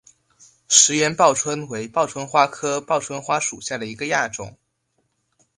石岩报春为报春花科报春花属下的一个亚种。